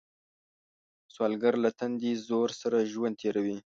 سوالګر له تندي زور سره ژوند تېروي